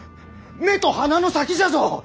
目と鼻の先じゃぞ！